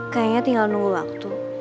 kayaknya tinggal nunggu waktu